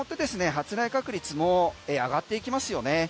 発雷確率も上がっていきますよね。